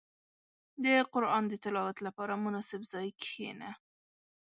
• د قران د تلاوت لپاره، مناسب ځای کې کښېنه.